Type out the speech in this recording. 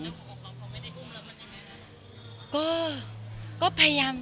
คุณหมอบอกว่าเขาไม่ได้อุ้มแล้วมันยังไง